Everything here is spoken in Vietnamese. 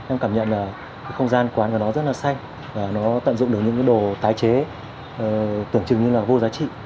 em cảm nhận là không gian quán của nó rất là xanh và nó tận dụng được những cái đồ tái chế tưởng chừng như là vô giá trị